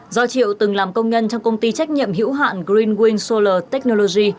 do triệu từng làm công nhân trong công ty trách nhiệm hữu hạn green ween solar technology